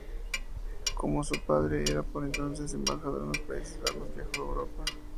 Como su padre era por entonces embajador en los Países Bajos, viajó a Europa.